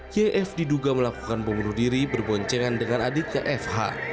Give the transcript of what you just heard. yf diduga melakukan bombur diri berboncengan dengan adik kfh